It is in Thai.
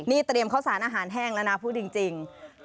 นี่เตรียมข้าวสารอาหารแห้งแล้วนะพูดจริง